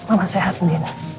mama sehat nini